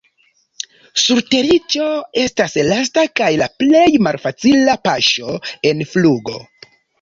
Surteriĝo estas lasta kaj la plej malfacila paŝo en flugo.